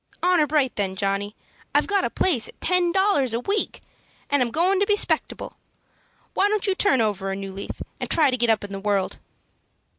"Honor bright, then, Johnny, I've got a place at ten dollars a week, and I'm goin' to be 'spectable. Why don't you turn over a new leaf, and try to get up in the world?"